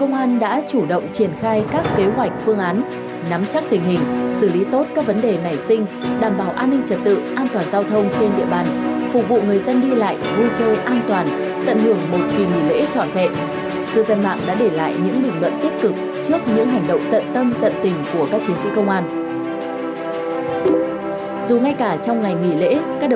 nhờ các chiến sĩ mà an ninh trật tự an toàn giao thông mới được đảm bảo